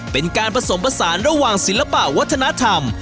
เป็นการผสมผสานระหว่างศิลปะวัฒนธรรม